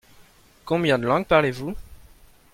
Combien de langues parlez-vous ?